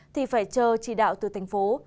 thì phải chờ chỉ đạo từ thành phố